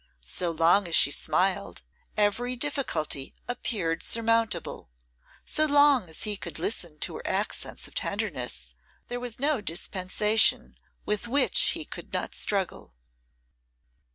So long as she smiled, every difficulty appeared surmountable; so long as he could listen to her accents of tenderness, there was no dispensation with which he could not struggle.